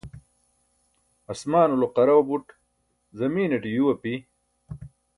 asmaanulo qarau buṭ zamiinaṭe yuu api